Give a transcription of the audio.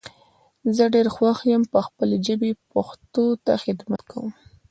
زه ډیر خوښ یم چی خپلې ژبي پښتو ته خدمت کوم